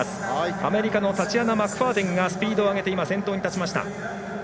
アメリカのタチアナ・マクファーデンがスピードを上げて先頭に立ちました。